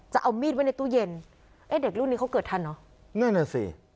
จะเอามีดไว้ในตู้เย็นเอ๊ะเด็กรุ่นนี้เขาเกิดทันเหรอนั่นน่ะสิ